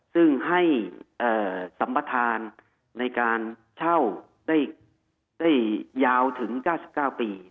ซึ่งให้สัมปทานในการเช่าได้ยาวถึง๙๙ปี